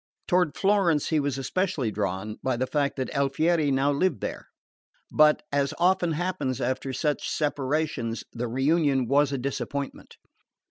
Toward Florence he was specially drawn by the fact that Alfieri now lived there; but, as often happens after such separations, the reunion was a disappointment.